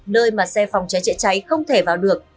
nơi mà xe phòng trái trịa cháy không thể vào được